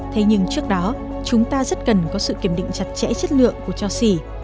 thế nhưng trước đó chúng ta rất cần có sự kiểm định chặt chẽ chất lượng của cho xỉ